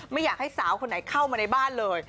ไม่อยากให้สาวคนไหนเข้ามาในบ้านเลย